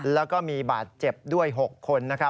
แล้วก็มีบาดเจ็บด้วย๖คน